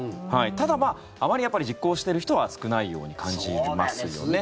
ただ、あまり実行している人は少ないように感じますよね。